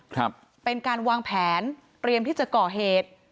ครับเป็นการวางแผนเตรียมที่จะก่อเหตุ